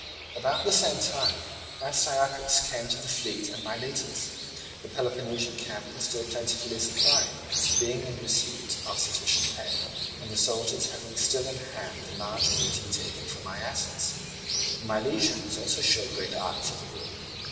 About the same time Astyochus came to the fleet at Miletus. The Peloponnesian camp was still plentifully supplied, being in receipt of sufficient pay, and the soldiers having still in hand the large booty taken at Iasus. The Milesians also showed great ardour for the war.